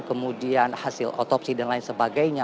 kemudian hasil otopsi dan lain sebagainya